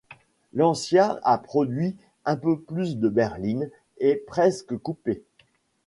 Lancia a produit un peu plus de berlines et presque coupés.